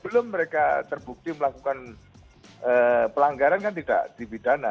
belum mereka terbukti melakukan pelanggaran kan tidak di bidana